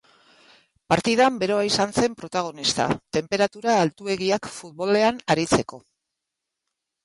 Partidan beroa izan zen protagonista, tenperatura altuegiak futbolean aritzeko.